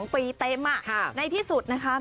๒ปีเต็มในที่สุดนะคะ